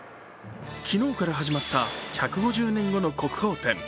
昨日から始まった「１５０年後の国宝展」。